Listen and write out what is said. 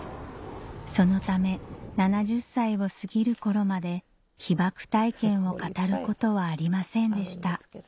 そのため７０歳を過ぎる頃まで被爆体験を語ることはありませんでした